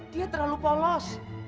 dia terlalu polos